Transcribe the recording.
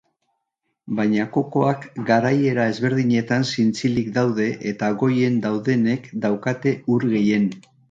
Baina kokoak garaiera ezberdinetan zintzilik daude, eta goien daudenek daukate ur gehien.